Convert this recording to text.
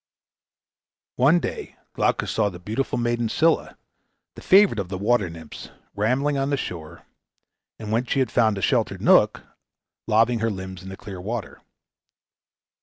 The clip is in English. One day Glaucus saw the beautiful maiden Scylla, the favorite of the water nymphs, rambling on the shore, and when she had found a sheltered nook, laving her limbs in the clear water.